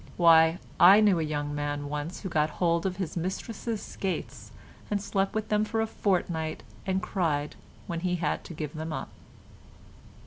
Why, I knew a young man once who got hold of his mistress's skates and slept with them for a fortnight and cried when he had to give them up.